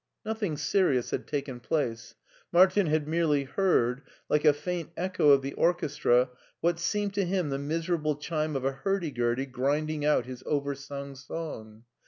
Nothing serious had taken place. Martin had merely heard, like a faint echo of the orchestra, what seemed to him the miserable chime of a hurdy gurdy grinding out his over sung song.